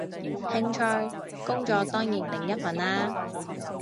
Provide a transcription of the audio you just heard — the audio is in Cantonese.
興趣，工作當然另一份啦